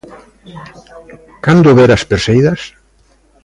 Cando ver as perseidas?